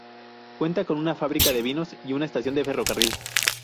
Cuenta con una fábrica de vinos y una estación de ferrocarril.